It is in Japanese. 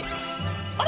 あれ？